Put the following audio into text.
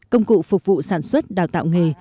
công cụ phục vụ sản xuất đào tạo nghề